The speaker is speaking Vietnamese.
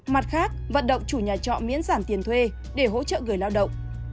mặt khác vận động chủ nhà trọ miễn giảm tiền thuê để hỗ trợ người lao động